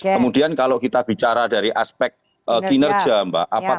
kemudian kalau kita bicara dari aspek kinerja mbak